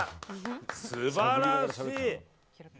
素晴らしい。